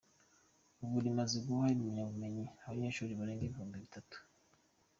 Ubu rimaze guha impamyabumenyi abanyeshuri barenga ibihumbi bitatu.